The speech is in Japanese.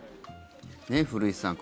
古市さん